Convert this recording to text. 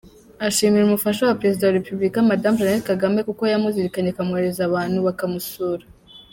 Ashimira umufasha wa Perezida wa Repubika, Madame Jeanette Kagame kuko yamuzirikanye akamwoherereza abantu bakamusura.